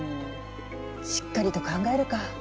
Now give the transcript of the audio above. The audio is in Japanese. しっかりと考えるか。